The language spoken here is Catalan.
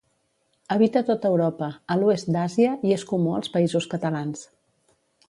Habita tot Europa, a l'oest d'Àsia, i és comú als Països Catalans.